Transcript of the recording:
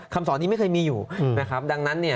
คำสอนนี้ไม่เคยมีอยู่นะครับดังนั้นเนี่ย